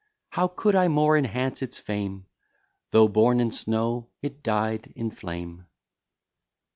How could I more enhance its fame? Though born in snow, it died in flame.